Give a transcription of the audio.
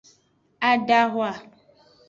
Adahwa.